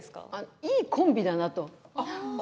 いいコンビだなと。